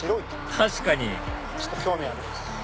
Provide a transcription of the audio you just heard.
確かにちょっと興味あります。